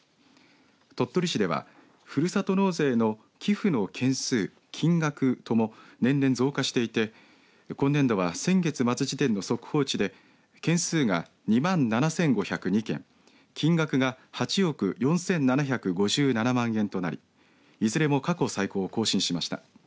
鳥取市ではふるさと納税の寄付の件数、金額とも年々増加していて今年度は先月末時点の速報値で件数が２万７５０２件金額が８億４７５７万円となりいずれも過去最高を更新しました。